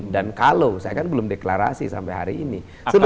dan kalau saya kan belum deklarasi sampai hari ini